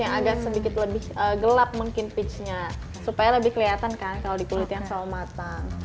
yang agak sedikit lebih gelap mungkin peachnya supaya lebih kelihatan kan kalau di kulit yang selamat